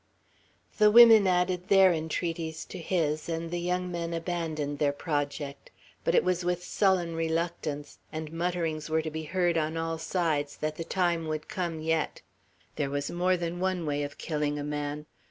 The women added their entreaties to his, and the young men abandoned their project. But it was with sullen reluctance; and mutterings were to be heard, on all sides, that the time would come yet. There was more than one way of killing a man.